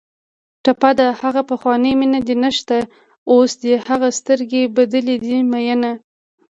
ټپه ده: ها پخوانۍ مینه دې نشته اوس دې هغه سترګې بدلې دي مینه